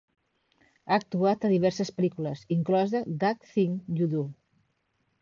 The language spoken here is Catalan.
Ha actuat a diverses pel·lícules, inclosa That Thing You Do!